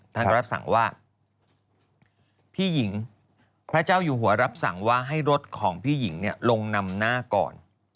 ท่านก็รับสั่งว่าพี่หญิงพระเจ้าอยู่หัวรับสั่งว่าให้รถของพี่หญิงลงนำหน้าก่อน